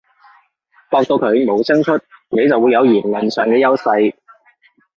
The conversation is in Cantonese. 駁到佢冇聲出，你就會有言論上嘅優勢